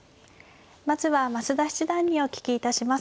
まずは増田七段にお聞きいたします。